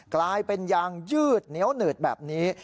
กลายเป็นยางยืดเหนียวหนืดแบบนี้